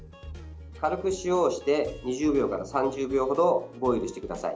軽く塩をして２０秒から３０秒ほどボイルしてください。